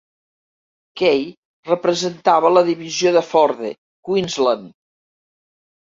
Kay representava la Divisió de Forde, Queensland.